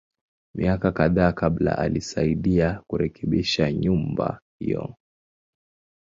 Miaka kadhaa kabla, alisaidia kurekebisha nyumba hiyo.